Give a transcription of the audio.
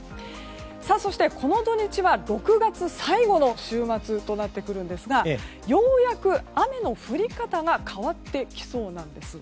そして、この土日は６月最後の週末となってくるんですがようやく雨の降り方が変わってきそうなんです。